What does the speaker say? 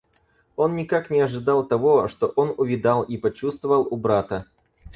Он никак не ожидал того, что он увидал и почувствовал у брата.